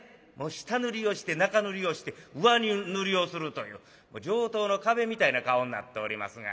下塗りをして中塗りをして上塗りをするという上等の壁みたいな顔になっておりますが。